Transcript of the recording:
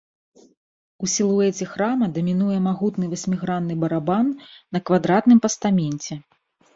У сілуэце храма дамінуе магутны васьмігранны барабан на квадратным пастаменце.